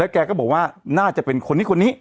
แกก็บอกว่าน่าจะเป็นคนนี้คนนี้